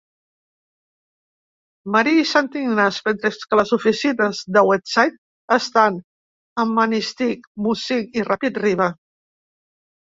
Marie i Saint Ignace, mentre que les oficines de Westside estan a Manistique, Munising i Rapid River.